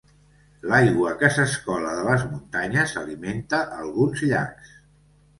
L'aigua que s'escola de les muntanyes alimenta alguns llacs.